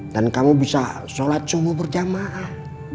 dan kamu bisa sholat sumur jamaah